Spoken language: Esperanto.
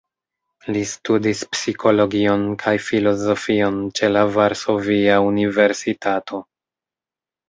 Li studis psikologion kaj filozofion ĉe la Varsovia Universitato.